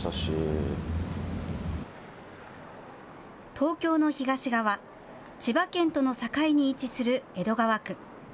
東京の東側、千葉県との境に位置する江戸川区。